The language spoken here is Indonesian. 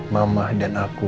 mama dan aku